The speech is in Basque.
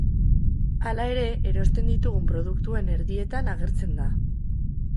Hala ere, erosten ditugun produktuen erdietan agertzen da.